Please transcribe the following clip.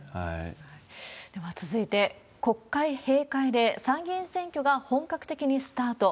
では続いて、国会閉会で参議院選挙が本格的にスタート。